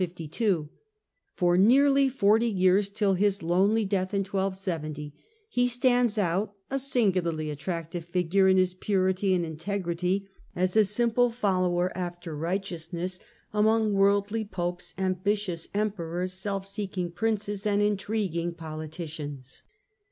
5^234^2^0' For nearly forty years, till his lonely death in 1270, he stands out, a singularly attractive figure in his purity and integrity, as a simple follower after righteousness among worldly Popes, ambitious Emperors, self seeking princes, and intriguing politicians.